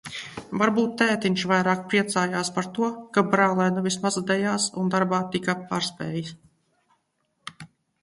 Varbūt tētiņš vairāk priecājās par to, ka brālēnu vismaz dejās un darbā tiku pārspējis.